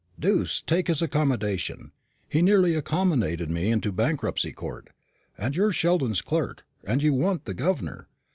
"Deuce take his accommodation! He nearly accommodated me into the Bankruptcy Court. And so you're Sheldon's clerk, and you want the governor.